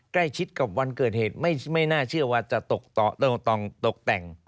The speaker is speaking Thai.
ใกล้ชิดกับวันเกิดเหตุไม่น่าเชื่อว่าจะตกต้องตกแต่ง